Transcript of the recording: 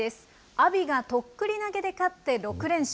阿炎がとっくり投げで勝って６連勝。